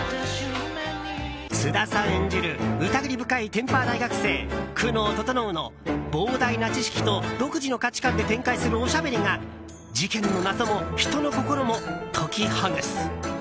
菅田さん演じる疑り深い天パー大学生・久能整の膨大な知識と独自の価値観で展開するおしゃべりが事件の謎も人の心も解きほぐす！